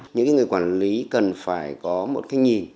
những người quản lý cần phải có một cái nhìn